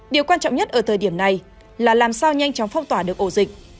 điều quan trọng nhất ở thời điểm này là làm sao nhanh chóng phong tỏa được ổ dịch